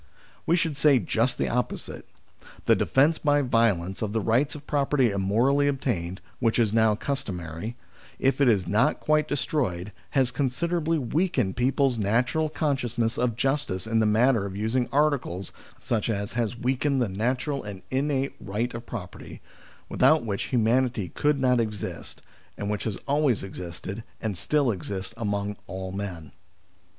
We should say just the opposite : the defence by violence of the rights of property immorally obtained, which is now customary, if it has not quite destroyed, has considerably weakened people's natural con sciousness of justice in the matter of using articles, i.e., has weakened the natural and innate right of property, without which humanity could not exist, and which has always existed and still exists among all men.